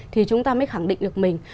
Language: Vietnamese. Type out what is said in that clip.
thì chúng ta mới khẳng định được mình